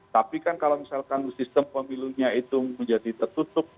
tapi kan kalau misalkan sistem pemilunya itu menjadi tertutup